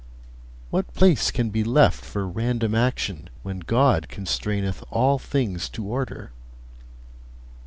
What place can be left for random action, when God constraineth all things to order?